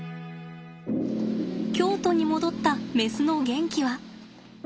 京都に戻ったメスのゲンキは。